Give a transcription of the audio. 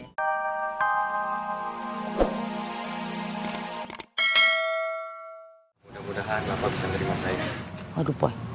mudah mudahan bisa beri masalah